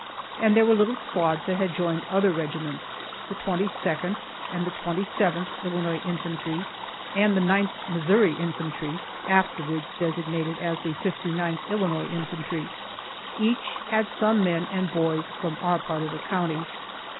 And there were little squads that had joined other regiments. The 22nd and the 27th Illinois Infantry and the 9th Missouri Infantry, (afterwards designated as the 59th Illinois Infantry,) each had some men and boys from our part of the county.